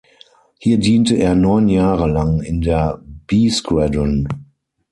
Hier diente er neun Jahre lang in der "B Squadron".